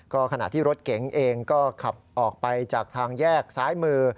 ขณะที่รถเก๋งเองก็ขับออกไปจากทางแยกซ้ายมือ